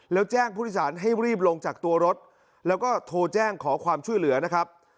แล้วแจ้งผู้โดยสารให้รีบลงจากตัวรถแล้วก็โทรแจ้งขอความช่วยเหลือนะครับ